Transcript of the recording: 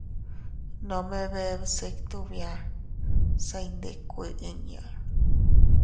Nome bee bsitu bia, se iyndikkue inña.